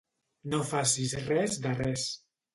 No facis res de res.